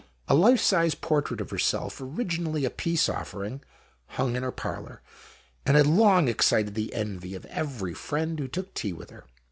A life size portrait of herself, originally a peace offering, hung in her parlour, and had long excited the envy of every friend who took tea with her.